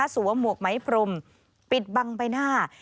สู่ว่าหมวกไม้พรมปิดบังไปหน้า